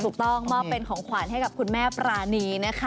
ต้องมอบเป็นของขวัญให้กับคุณแม่ปรานีนะคะ